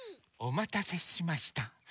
おまたせしました。